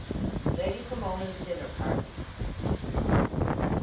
LADY POMONA'S DINNER PARTY.